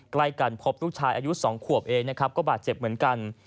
ใกล้กันพบลูกชายอายุ๒ขวบเองนะครับก็บาดเจ็บเหมือนกัน